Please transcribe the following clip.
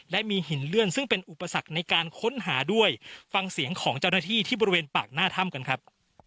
และมีหินเลื่อนซึ่งเป็นอุปสรรคในการค้นหาด้วยฟังเสียงของเจ้าหน้าที่ที่บริเวณปากหน้าถ้ำกันครับ